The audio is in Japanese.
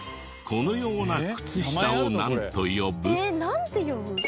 このようなクツ下をなんと呼ぶ？